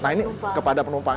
nah ini kepada penumpang